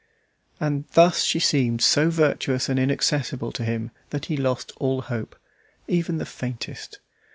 And thus she seemed so virtuous and inaccessible to him that he lost all hope, even the faintest.